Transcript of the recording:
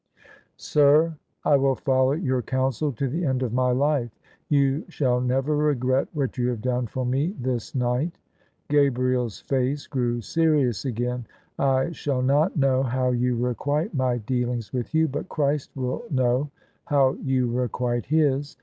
" Sir, I will follow your counsel to the end of my life. You shall never regret what you have done for me this night." Gabriel's face grew serious again. "I shall not know how you requite my dealings with you: but Christ will know how you requite His.